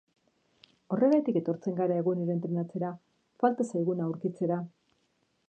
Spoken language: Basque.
Horregatik etortzen gara egunero entrenatzera, falta zaiguna aurkitzera.